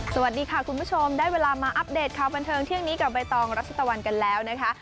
สวัสดีค่ะคุณผู้ชมได้เวลามาอัปเดตข่าวบันเทิงเที่ยงนี้กับใบตองรัชตะวันกันแล้วนะคะ